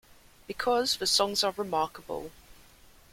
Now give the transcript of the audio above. Because the songs are remarkable.